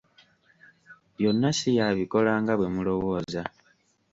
Byonna ssi y'abikola nga bwe mulowooza.